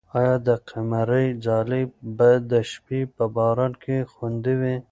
آیا د قمرۍ ځالۍ به د شپې په باران کې خوندي وي؟